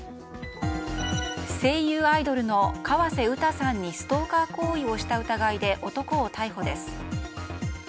声優アイドルの河瀬詩さんにストーカー行為をした疑いで男を逮捕です。